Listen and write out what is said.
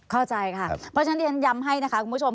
เข้าใจค่ะเพราะฉะนั้นเรียนย้ำให้นะคะคุณผู้ชม